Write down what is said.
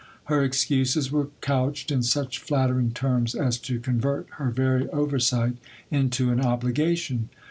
Her excuses were couched in such flattering terms, as to convert her very oversight into an obligation.